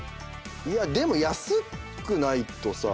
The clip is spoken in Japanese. でも安くないとさ。